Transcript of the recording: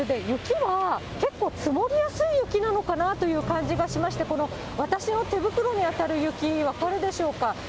雪は、結構積もりやすい雪なのかなという感じがしまして、私の手袋に当たる雪、分かるでしょうか。